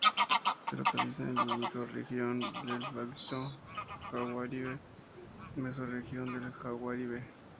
Se localiza en la microrregión del Baixo Jaguaribe, mesorregión del Jaguaribe.